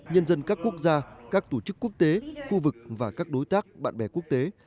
nhân dân các quốc gia các tổ chức quốc tế khu vực và các đối tác bạn bè quốc tế